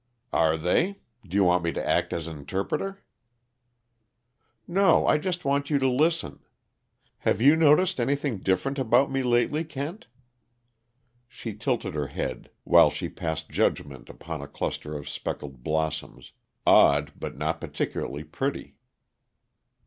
"Are they? Do you want me to act as interpreter?" "No. I just want you to listen. Have you noticed anything different about me lately, Kent?" She tilted her head, while she passed judgment upon a cluster of speckled blossoms, odd but not particularly pretty.